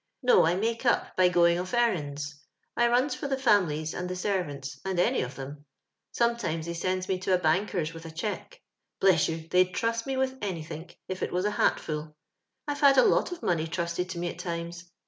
No, I make up by going of eiTands. I runs for the fam'lies, and the servants, and any of 'em. Sometimes thoy sends me to a banker's with a cheque. Bless you ! they'd trust me with anythink, if it was a hat full. I've had a lot of money trusted to me at times.